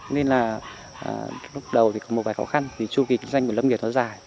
nên là lúc đầu thì có một vài khó khăn vì chu kỳ kinh doanh của lâm nghiệp nó dài